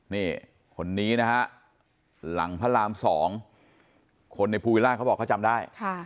นี่คนนี้นะฮะหลังพระราม๒คนในภูวิล่าเขาบอกเขาจำได้